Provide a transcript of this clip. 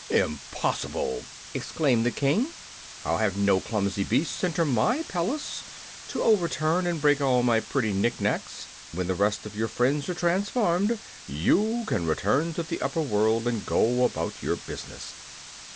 "Impossible!" exclaimed the King. "I'll have no clumsy beasts enter my palace, to overturn and break all my pretty nick nacks. When the rest of your friends are transformed you can return to the upper world, and go about your business."